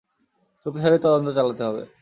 চুপিসারে তদন্ত চালাতে হবে।